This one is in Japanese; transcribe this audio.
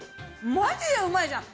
マジでうまいじゃん！